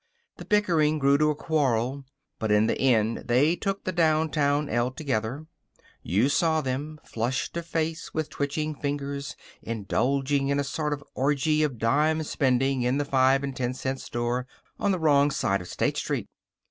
The bickering grew to a quarrel. But in the end they took the downtown el together. You saw them, flushed of face, with twitching fingers, indulging in a sort of orgy of dime spending in the five and ten cent store on the wrong side of State Street.